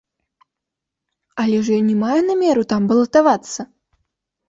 Але ж ён не мае намеру там балатавацца!